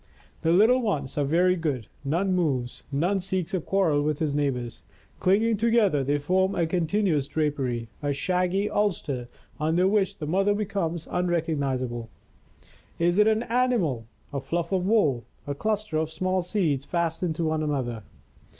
The little ones are very good, none moves, none seeks a quarrel with his neighbors. Clinging together, they form a continuous drapery, a shaggy ulster under which the mother becomes unrec ognizable. Is it an animal, a fluff of wool, a cluster of small seeds fastened to one another?